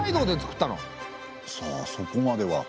さあそこまでは。